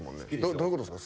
どういうことっすか？